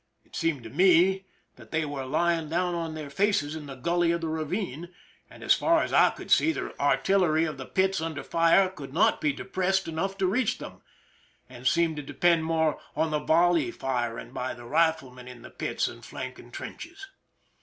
It seemed to me that they were lying down on their faces in the gully of the ravine, and, as far as I could see, the artillery of the pits under fire could not be depressed enough to reach them, and seemed to depend more on the volley firing by the riflemen in the pits and flanking trenches.